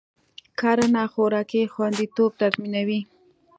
کرنه خوراکي خوندیتوب تضمینوي.